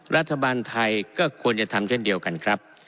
รัฐบาลไทยก็ควรจะทำเช่นเดียวกันครับ